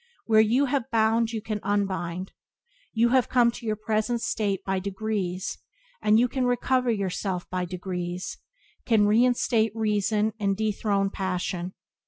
Where you have bound you can unbind. You have come to your present state by degrees, and you can recover yourself by degrees, can reinstate reason and dethrone passion.